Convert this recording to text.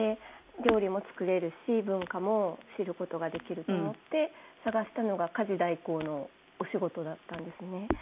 料理も作れるし文化も知る事ができると思って探したのが家事代行のお仕事だったんですね。